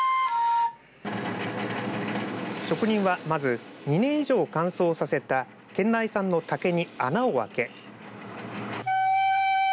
職人は、まず２年以上乾燥させた県内産の竹に穴を開け。